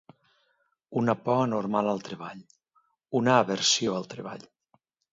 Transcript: Una por anormal al treball; Una aversió al treball.